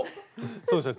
そうですね。